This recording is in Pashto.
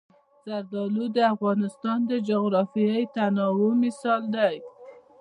زردالو د افغانستان د جغرافیوي تنوع مثال دی.